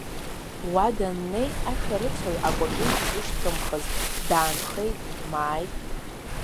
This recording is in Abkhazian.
Уа даннеи ашәарыцаҩ, акәапеи изышьҭымхызт, даанхеит, дмааит.